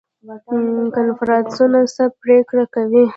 کنفرانسونه څه پریکړې کوي؟